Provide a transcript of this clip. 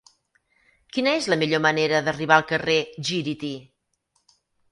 Quina és la millor manera d'arribar al carrer Gíriti?